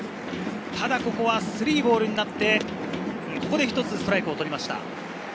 ただ、ここは３ボールになって、１つストライクを取りました。